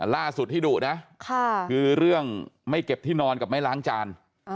ล่าสุดที่ดุนะคือเรื่องไม่เก็บที่นอนกับไม่ล้างจาน